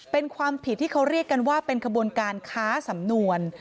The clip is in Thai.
เป็นความผิดที่เขาเรียกกันว่าเป็นขบวนการค้าสำนวน